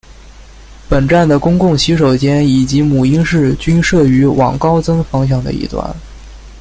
本站的公共洗手间以及母婴室均设于往高增方向的一端。